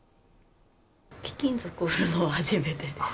貴金属を売るのは初めてです。